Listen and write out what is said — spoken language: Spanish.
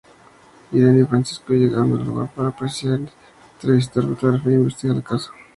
Irene y Francisco llegaron al lugar para presenciar, entrevistar, fotografiar e investigar el caso.